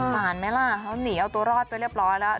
สารไหมล่ะเขาหนีเอาตัวรอดไปเรียบร้อยแล้ว